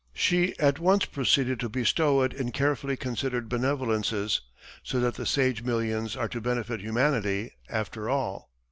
She at once proceeded to bestow it in carefully considered benevolences, so that the Sage millions are to benefit humanity, after all.